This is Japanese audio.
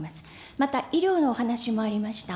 また、医療のお話もありました。